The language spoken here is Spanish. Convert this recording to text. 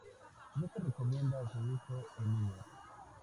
No se recomienda su uso en niños.